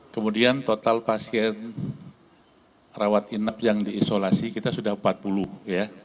kemudian total pasien rawat inap yang diisolasi kita sudah empat puluh ya